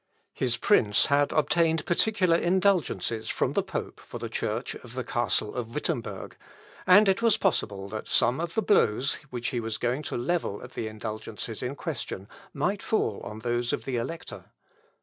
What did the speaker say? His prince had obtained particular indulgences from the pope for the church of the castle of Wittemberg, and it was possible that some of the blows which he was going to level at the indulgences in question might fall on those of the Elector.